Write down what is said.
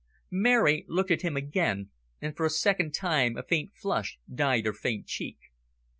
Mary looked at him again, and for a second time a faint flush dyed her fair cheek.